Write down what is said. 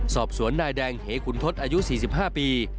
สอบสวนนายแดงเหขุนทศอายุ๔๕ปี